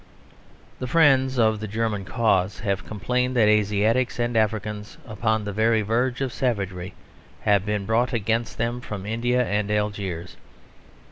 The friends of the German cause have complained that Asiatics and Africans upon the very verge of savagery have been brought against them from India and Algiers.